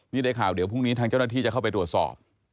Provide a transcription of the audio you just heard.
นี่ได้ข่าวเดี๋ยวพรุ่งนี้ทางเจ้าหน้าที่จะเข้าไปตรวจสอบ